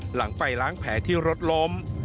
หลังไปล้างแผลที่รถล้ม